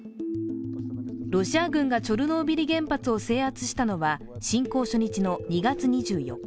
ロシア軍がチョルノービリ原発を制圧したのは侵攻初日の２月２４日。